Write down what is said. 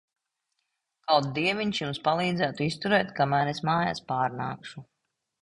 Kaut Dieviņš jums palīdzētu izturēt kamēr es mājās pārnākšu.